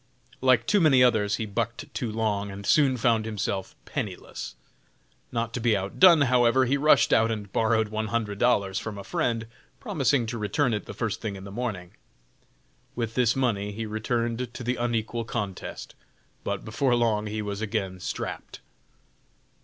Like too many others, he bucked too long, and soon found himself penniless. Not to be outdone, however, he rushed out and borrowed one hundred dollars from a friend, promising to return it the first thing in the morning. With this money he returned to the unequal contest, but before long was again strapped.